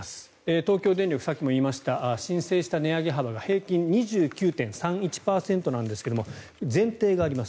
東京電力、さっきも言いました申請した値上げ幅が平均２９．３１％なんですが前提があります。